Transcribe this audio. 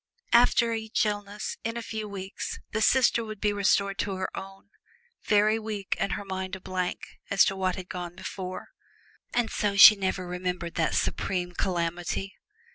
After each illness, in a few weeks the sister would be restored to her own, very weak and her mind a blank as to what had gone before. And so she never remembered that supreme calamity.